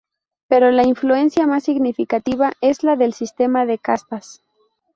Pero la influencia más significativa es la del sistema de castas.